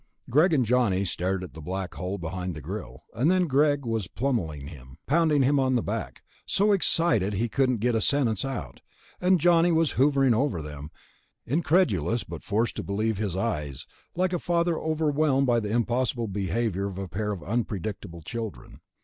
Greg and Johnny stared at the black hole behind the grill ... and then Greg was pumelling him, pounding him on the back, so excited he couldn't get a sentence out, and Johnny was hovering over them, incredulous but forced to believe his eyes, like a father overwhelmed by the impossible behavior of a pair of unpredictable children.